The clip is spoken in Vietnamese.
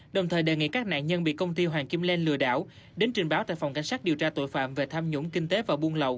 đồng thời đề nghị các nạn nhân bị công ty hoàng kim lên lừa đảo đến trình báo tại phòng cảnh sát điều tra tội phạm về tham nhũng kinh tế và buôn lậu